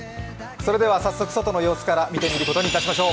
それでは早速、外の様子から見ていきましょう。